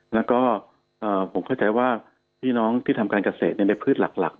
แล้วก็ผมเข้าใจว่าพี่น้องที่ทำการเกษตรในพืชหลัก